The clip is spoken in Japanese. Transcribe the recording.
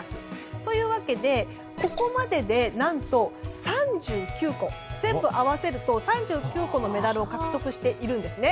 というわけで、ここまでで何と全部合わせると３９個のメダルを獲得しているんですね。